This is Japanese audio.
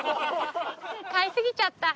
買いすぎちゃった。